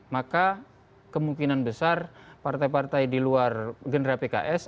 maka kemungkinan besar partai partai di luar gendera pks